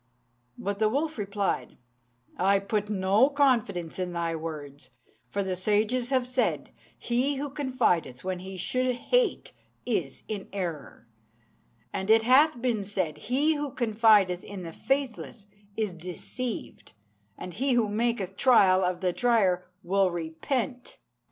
But the wolf replied, "I put no confidence in thy words; for the sages have said, 'He who confideth when he should hate is in error'; and it hath been said, 'He who confideth in the faithless is deceived, and he who maketh trial of the trier will repent.'